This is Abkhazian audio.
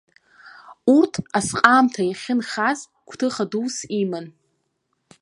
Урҭ асҟаамҭа иахьынхаз гәҭыха дус иман.